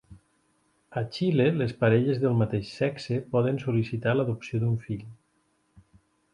A Xile, les parelles del mateix sexe poden sol·licitar l'adopció d'un fill.